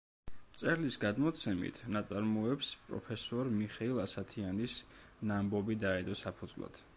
მწერლის გადმოცემით, ნაწარმოებს პროფესორ მიხეილ ასათიანის ნაამბობი დაედო საფუძვლად.